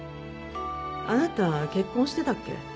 ⁉あなた結婚してたっけ？